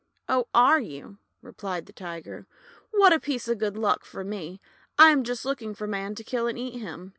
"Oh, are you?" replied the Tiger. "What a piece of good luck for me! I am just looking for Man to kill and eat him.